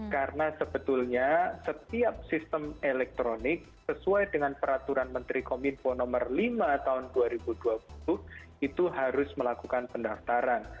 karena sebetulnya setiap sistem elektronik sesuai dengan peraturan menteri komunikasi nomor lima tahun dua ribu dua puluh itu harus melakukan pendaftaran